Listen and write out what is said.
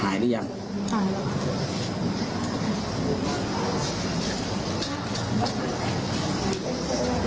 หรือยังหายแล้ว